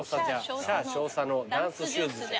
「シャー少佐のダンスシューズじゃ！」